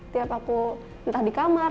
tiap aku entah di kamar